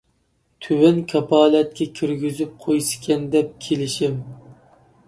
تۆۋەن كاپالەتكە كىرگۈزۈپ قويسىكەن دەپ كېلىشىم.